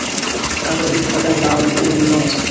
আয়তাকার এই পতাকায় লা ও নীল রঙ আছে।